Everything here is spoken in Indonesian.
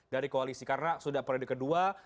dari koalisi karena sudah periode kedua